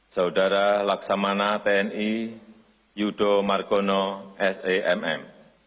saudara laksamana tni yudo margono s a m m